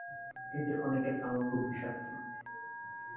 এদের অনেকের কামড় খুব বিষাক্ত।